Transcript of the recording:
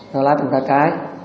tôi lái từng ta cái